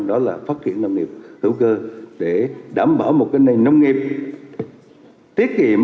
đó là phát triển nông nghiệp hữu cơ để đảm bảo một nền nông nghiệp tiết kiệm